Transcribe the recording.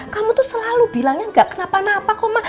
kamu tuh selalu bilangnya gak kenapa napa